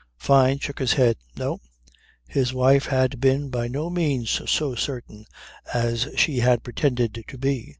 Fyne shook his head. No; his wife had been by no means so certain as she had pretended to be.